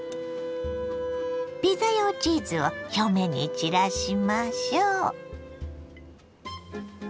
ピザ用チーズを表面に散らしましょう。